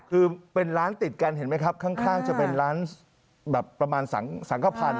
คือเป็นร้านติดกันเห็นไหมครับข้างจะเป็นร้านแบบประมาณสังขพันธ์